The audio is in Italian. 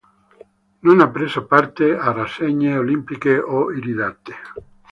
Non ha preso parte a rassegne olimpiche o iridate.